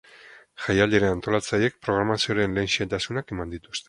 Jaialdiaren antolatzaileek programazioaren lehen xehetasunak eman dituzte.